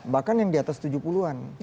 bahkan yang di atas tujuh puluh an